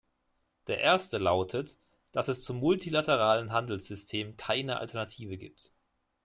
Der Erste lautet, dass es zum multilateralen Handelssystem keine Alternative gibt.